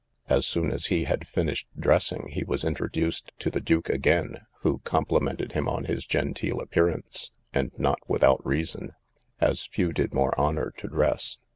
As soon as he had finished dressing, he was introduced to the duke again, who complimented him on his genteel appearance, and not without reason, as few did more honour to dress.